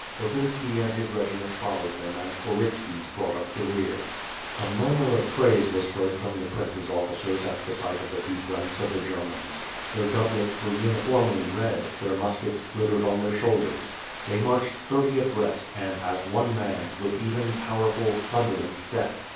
Osinski and his regiment followed them and Korytski's brought up the rear. 372 WITH FIRE AND SWORD, A murimir of praise was heard from the prince's officers at the sight of the deep ranks of the Germans. Their doublets were uniformly red; their muskets glittered on their shoul ders. They marched thirty abreast and, as one man, with even, powerful, thundering step.